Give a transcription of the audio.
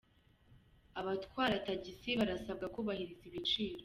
Abatwara Tagisi barasabwa kubahiriza ibiciro